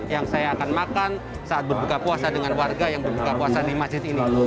yang saya akan makan saat berbuka puasa dengan warga yang berbuka puasa di masjid ini